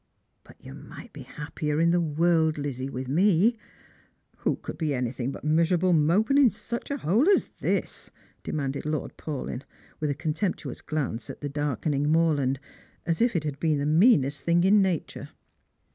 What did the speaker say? " But you might be hajjpier in the world, Lizzie, with me. Who could be anything but miserable moping in such a hole as this ?" demanded Lord Paulyn, with a contemptuous glance at the darkening moorland, as if it had been the meanest thing in nature.